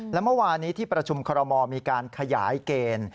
และเมื่อวานี้ที่ประชุมคอรมอลมีการขยายเกณฑ์